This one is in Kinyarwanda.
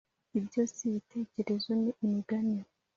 ” ibyo si ibitecyerezo: ni imigani!